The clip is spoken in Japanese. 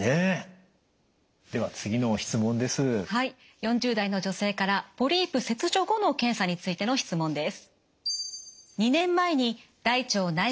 ４０代の女性からポリープ切除後の検査についての質問です。